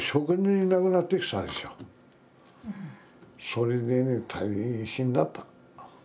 それでね大変だった。